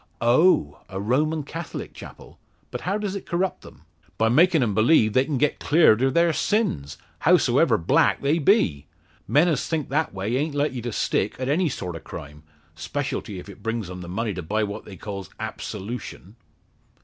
"Oh! A Roman Catholic chapel. But how does it corrupt them?" "By makin' 'em believe they can get cleared of their sins, hows'ever black they be. Men as think that way a'nt like to stick at any sort of crime 'specialty if it brings 'em the money to buy what they calls absolution."